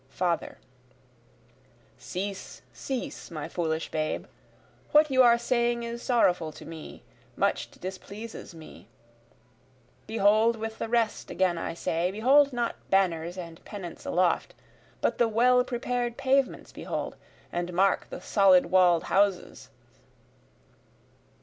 Father: Cease, cease, my foolish babe, What you are saying is sorrowful to me, much 't displeases me; Behold with the rest again I say, behold not banners and pennants aloft, But the well prepared pavements behold, and mark the solid wall'd houses.